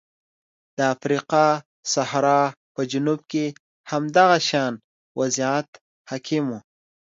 د افریقا صحرا په جنوب کې هم دغه شان وضعیت حاکم و.